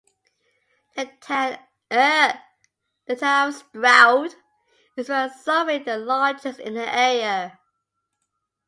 The town of Stroud is by some way the largest in the area.